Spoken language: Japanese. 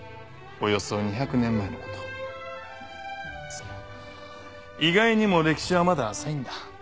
そう意外にも歴史はまだ浅いんだ。